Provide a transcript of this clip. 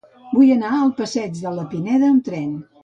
Vull anar al passeig de la Pineda amb tren.